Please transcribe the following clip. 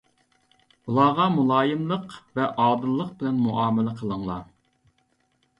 ئۇلارغا مۇلايىملىق ۋە ئادىللىق بىلەن مۇئامىلە قىلىڭلار.